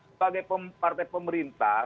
sebagai partai pemerintah